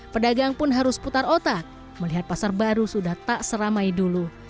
pedagang pun harus putar otak melihat pasar baru sudah tak seramai dulu